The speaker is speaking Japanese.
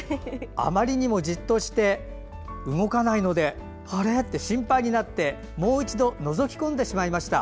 あまりにもじっとして動かないので心配になりもう一度のぞき込んでしまいました。